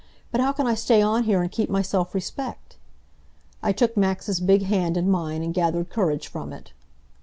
But how can I stay on here and keep my self respect?" I took Max's big hand in mine and gathered courage from it.